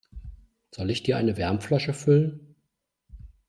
Soll ich dir eine Wärmflasche füllen?